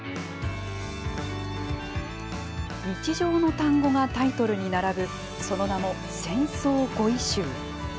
日常の単語がタイトルに並ぶその名も「戦争語彙集」。